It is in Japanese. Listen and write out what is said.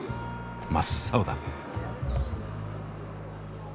真っ青だ。